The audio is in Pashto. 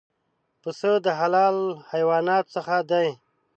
پسه د حلال حیواناتو څخه دی.